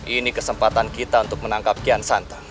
ini kesempatan kita untuk menangkap kian santan